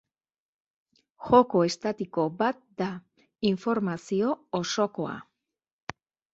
Joko estatiko bat da, informazio osokoa.